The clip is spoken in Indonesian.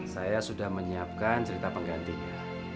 saya sudah menyiapkan cerita penggantinya